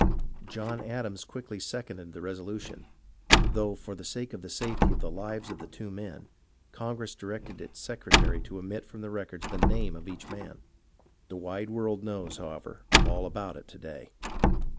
John Adams quickly seconded the resolution, though for the sake of the safety of the lives of the two men, Congress directed its secretary to omit from the records the name of each man. The wide world knows, however, all about it to day.